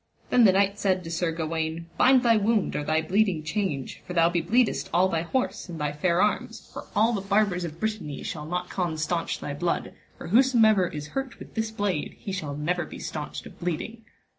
Then the knight said to Sir Gawaine, bind thy wound or thy blee[ding] change, for thou be bleedest all thy horse and thy fair arms, for all the barbers of Brittany shall not con staunch thy blood, for whosomever is hurt with this blade he shall never be staunched of bleeding.